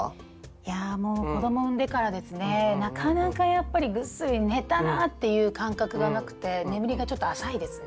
いやもう子ども産んでからですねなかなかやっぱりぐっすり寝たなぁっていう感覚がなくて眠りがちょっと浅いですね。